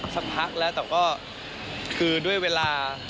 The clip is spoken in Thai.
สักพักแล้วแต่ก็คือด้วยเวลา